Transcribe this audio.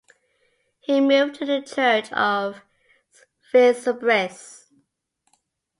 He moved to the church of Vinsobres.